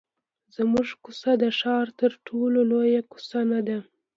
زموږ کوڅه د ښار تر ټولو لویه کوڅه نه ده.